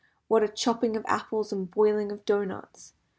What a chopping of apples and boiling of doughnuts!